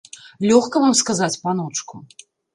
Лёгка вам сказаць, паночку.